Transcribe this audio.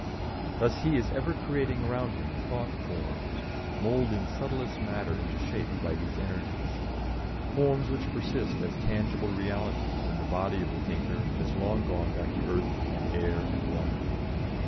Thus he is ever creating round him thought forms, moulding subtlest matter into shape by these energies, forms which persist as tangible realities when the body of the thinker has long gone back to earth and air and water.